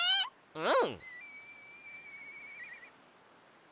うん！